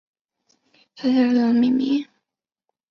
苏联时期改以苏联少年先锋队命名。